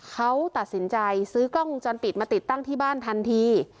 เขาตัดสินใจซื้อกล้องวงจรปิดมาติดตั้งที่บ้านทันที